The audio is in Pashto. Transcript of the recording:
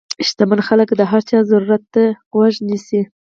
شتمن خلک د هر چا ضرورت ته غوږ نیسي.